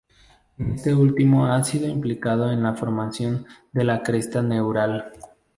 Este último ha sido implicado en la formación de la cresta neural.